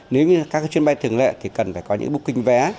nếu như các chuyến bay thường lệ thì cần phải có những booking vé